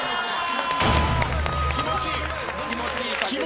気持ちいい。